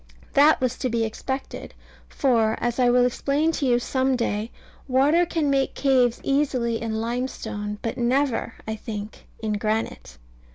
That was to be expected; for, as I will explain to you some day, water can make caves easily in limestone: but never, I think, in granite.